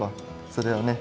それをね